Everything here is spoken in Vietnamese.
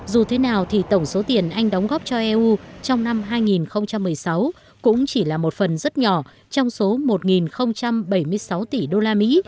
dù thế nào thì tổng số tiền anh đóng góp cho eu trong năm hai nghìn một mươi sáu cũng chỉ là một phần rất nhỏ trong số một bảy mươi sáu tỷ đô la mỹ